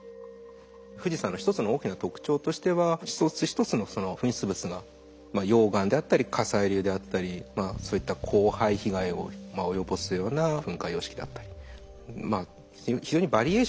富士山の一つの大きな特徴としては一つ一つのその噴出物が溶岩であったり火砕流であったりそういった降灰被害を及ぼすような噴火様式だったり。